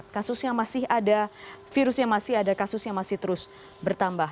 kasus yang masih ada virus yang masih ada kasus yang masih terus bertambah